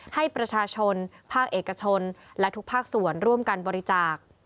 ให้ประชาชนภาคเอกชนและทุกภาคส่วนร่วมกันบริจาค